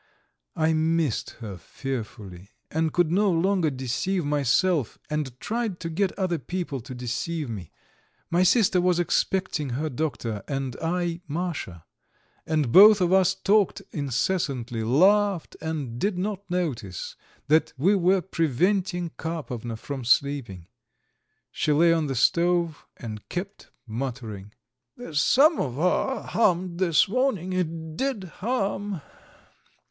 I missed her fearfully, and could no longer deceive myself, and tried to get other people to deceive me. My sister was expecting her doctor, and I Masha; and both of us talked incessantly, laughed, and did not notice that we were preventing Karpovna from sleeping. She lay on the stove and kept muttering: "The samovar hummed this morning, it did hum!